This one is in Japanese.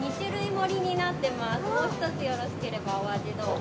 もう一つよろしければお味どうぞ。